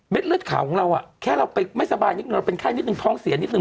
เลือดขาวของเราแค่เราไปไม่สบายนิดนึงเราเป็นไข้นิดนึงท้องเสียนิดนึ